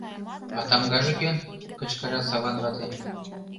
— А тамгаже кӧн? — кычкыра Саван вате.